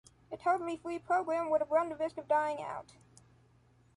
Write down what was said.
A totally free program would have run the risk of dying out.